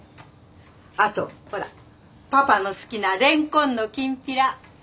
あとほらパパの好きなレンコンのきんぴら。